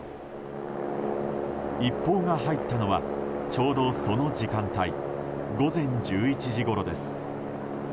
一報が入ったのはちょうどその時間帯午前１１時ごろです。